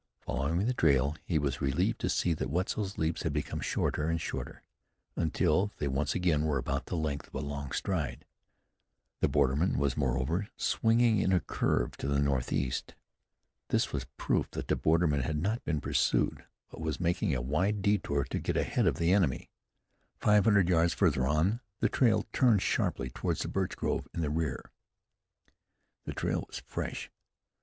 Following the trail, he was relieved to see that Wetzel's leaps had become shorter and shorter, until they once again were about the length of a long stride. The borderman was, moreover, swinging in a curve to the northeast. This was proof that the borderman had not been pursued, but was making a wide detour to get ahead of the enemy. Five hundred yards farther on the trail turned sharply toward the birch grove in the rear. The trail was fresh.